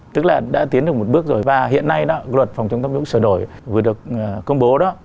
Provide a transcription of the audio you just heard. tức là đã tiến được một bước rồi và hiện nay đó luật phòng chống tham nhũng sửa đổi vừa được công bố đó